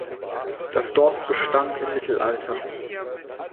Das Dorf bestand im Mittelalter.